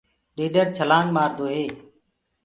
ڏيڏر ڇلآنگ مآردو هي۔